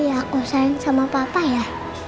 ya aku sayang sama papa ya